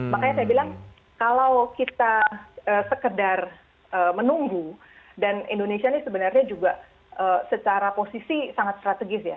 makanya saya bilang kalau kita sekedar menunggu dan indonesia ini sebenarnya juga secara posisi sangat strategis ya